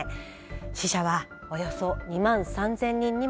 死者はおよそ２万３，０００人にも上ります。